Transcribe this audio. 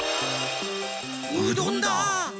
うどんだ！